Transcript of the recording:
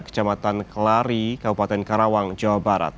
kecamatan kelari kabupaten karawang jawa barat